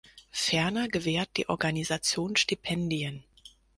Ferner gewährt die Organisation Stipendien.